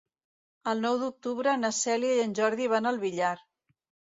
El nou d'octubre na Cèlia i en Jordi van al Villar.